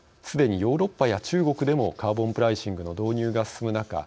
すでにヨーロッパや中国でもカーボンプライシングの導入が進む中